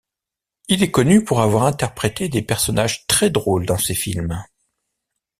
Il est connu pour avoir interprété des personnages très drôles dans ses films.